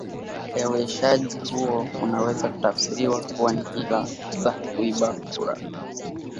leweshaji huo unaweza kutafsiriwa kuwa ni hila za kuiba kura